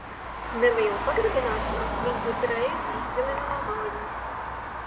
Neliela pagrabināšanās viņu uzreiz izvilina no mājiņas.